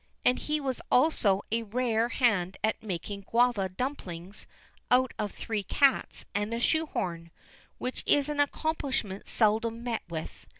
And he was also a rare hand at making guava dumplings out of three cats and a shoe horn, which is an accomplishment seldom met with.